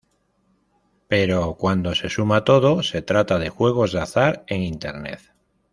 Pero cuando se suma todo, se trata de juegos de azar en Internet".